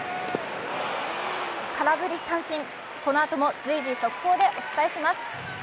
空振り三振、このあとも随時速報でお伝えします。